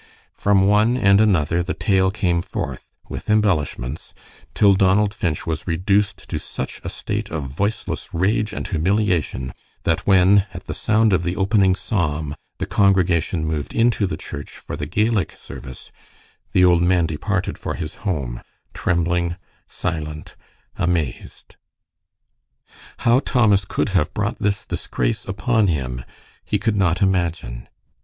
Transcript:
From one and another the tale came forth with embellishments, till Donald Finch was reduced to such a state of voiceless rage and humiliation that when, at the sound of the opening psalm the congregation moved into the church for the Gaelic service, the old man departed for his home, trembling, silent, amazed. How Thomas could have brought this disgrace upon him, he could not imagine.